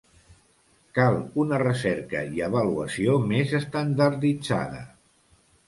Cal una recerca i avaluació més estandarditzada.